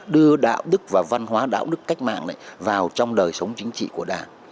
đưa đạo đức và văn hóa đạo đức cách mạng này vào trong đời sống chính trị của đảng